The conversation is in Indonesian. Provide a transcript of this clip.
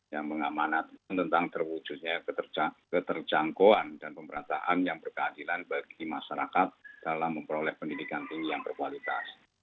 yang mengamanatkan tentang terwujudnya keterjangkauan dan pemerintahan yang berkeadilan bagi masyarakat dalam memperoleh pendidikan tinggi yang berkualitas